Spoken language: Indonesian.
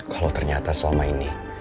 kalau ternyata selama ini